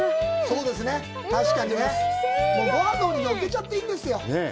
確かにね、もうごはんの上にのっけちゃっていいんですよ。